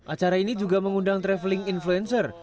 acara ini juga mengundang traveling influencer